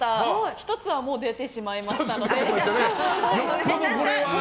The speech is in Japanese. １つはもう出てしまいましたので。